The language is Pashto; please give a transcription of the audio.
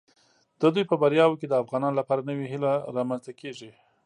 د دوی په بریاوو کې د افغانانو لپاره نوې هیله رامنځته کیږي.